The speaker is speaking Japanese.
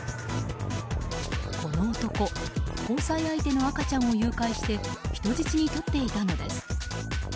この男交際相手の赤ちゃんを誘拐して人質に取っていたのです。